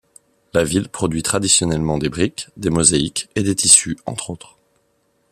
La ville produit traditionnellement des briques, des mosaïques et des tissus, entre autres.